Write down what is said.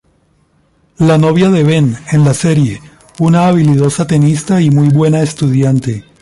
La novia de Ben en la serie, una habilidosa tenista y muy buena estudiante.